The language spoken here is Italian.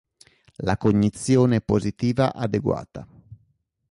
La cognizione positiva adeguata.